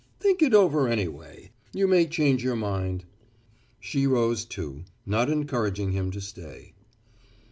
"Think it over anyway. You may change your mind." She rose, too, not encouraging him to stay.